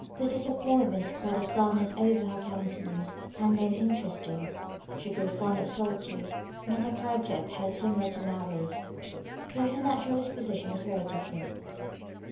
This disappointment spread a sadness over her countenance, and made it interesting. She grew fond of solitude, and her character appeared similar to Mary's, though her natural disposition was very different.